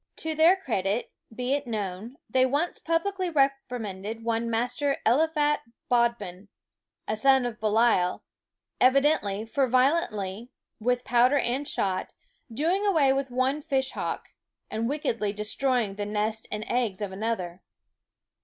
To their W SCHOOL OF credit, be it known, they once "publikly ee P r i man ded " one Master Eliphalet Bod ffie Fishhawk man, a son of Belial evidently, for violently, with powder and shot, doing away with one fishhawk, and wickedly destroying the nest and eggs of another.